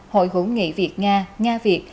hội hữu nghị việt nga nga việt